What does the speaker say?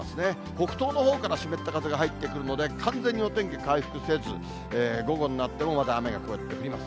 北東のほうから湿った風が入ってくるので、完全にお天気回復せず、午後になっても、まだ雨がこうやって降ります。